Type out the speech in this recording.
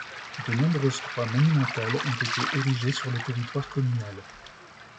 De nombreuses croix monumentales ont été érigées sur le territoire communal.